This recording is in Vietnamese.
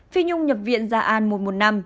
phi nhung nhập viện gia an mùa một năm